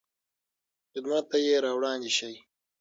خدمت ته یې راوړاندې شئ.